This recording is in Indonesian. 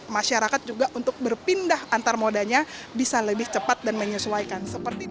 masyarakat juga untuk berpindah antar modanya bisa lebih cepat dan menyesuaikan